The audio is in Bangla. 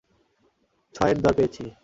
ছয়ের দর পেয়েছি।